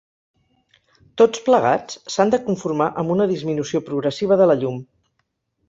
Tots plegats s'han de conformar amb una disminució progressiva de la llum.